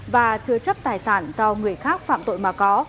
và chứa chấp tài sản do người khác phạm tội mà có